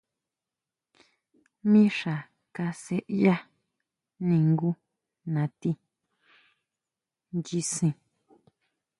Mixa kasʼeya ningu nati nyisen.